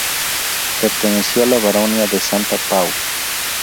Perteneció a la baronía de Santa Pau.